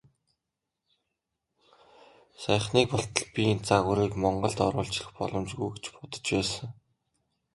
Саяхныг болтол би энэ загварыг Монголд оруулж ирэх боломжгүй гэж бодож байсан.